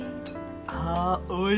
あおいしい！